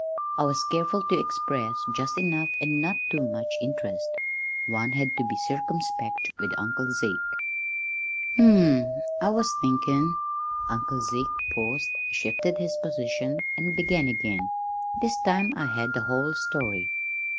I was careful to express just enough, and not too much, interest: one had to be circumspect with Uncle Zeke. "Hm m; I was thinkin' " Uncle Zeke paused, shifted his position, and began again. This time I had the whole story.